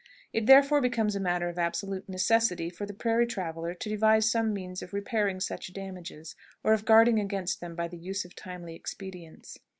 It therefore becomes a matter of absolute necessity for the prairie traveler to devise some means of repairing such damages, or of guarding against them by the use of timely expedients.